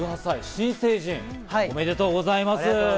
新成人、おめでとうございます。